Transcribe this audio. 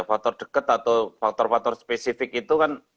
faktor dekat atau faktor faktor spesifik itu kan